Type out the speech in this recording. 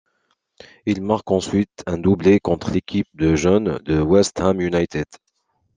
Il marque ensuite un doublé contre l'équipe de jeunes de West Ham United.